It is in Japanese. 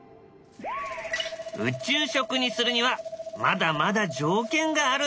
宇宙食にするにはまだまだ条件があるんだ。